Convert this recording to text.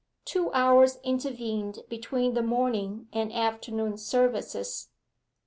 Two hours intervened between the morning and afternoon services.